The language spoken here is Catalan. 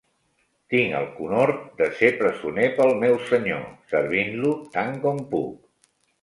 Tinc el conhort de ser presoner pel meu senyor, servint-lo tant com puc.